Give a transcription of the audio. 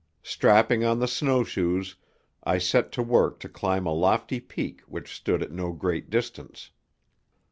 Strapping on the snow shoes, I set to work to climb a lofty peak which stood at no great distance.